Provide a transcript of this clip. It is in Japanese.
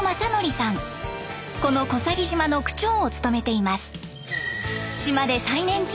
この小佐木島の区長を務めています。